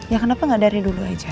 ya kenapa nggak dari dulu aja